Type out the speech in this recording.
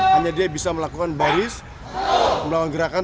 hanya dia bisa melakukan baris melawan gerakan